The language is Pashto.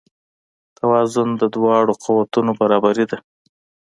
توازن د دواړو قوتونو برابري ده.